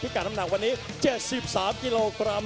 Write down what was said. พี่กันทำหนักวันนี้๗๓กิโลกรัม